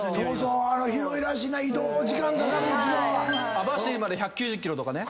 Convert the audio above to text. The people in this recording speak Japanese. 網走まで１９０ｋｍとかね。